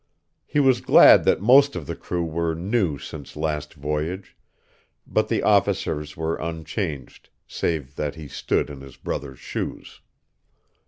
He was glad that most of the crew were new since last voyage; but the officers were unchanged, save that he stood in his brother's shoes.